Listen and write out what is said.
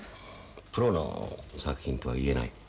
プロの作品とは言えない。